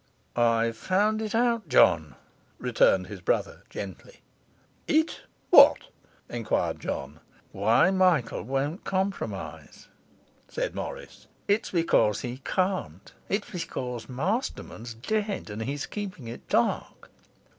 'I've found it out, John,' returned his brother gently. 'It? What?' enquired John. 'Why Michael won't compromise,' said Morris. 'It's because he can't. It's because Masterman's dead, and he's keeping it dark.